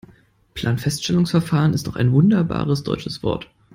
Planfeststellungsverfahren ist doch ein wunderbares deutsches Wort.